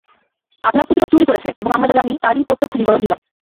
আপনার পুত্র চুরি করেছে এবং আমরা যা জানি তারই প্রত্যক্ষ বিবরণ দিলাম।